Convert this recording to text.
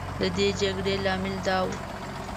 د دې جګړې لامل دا و.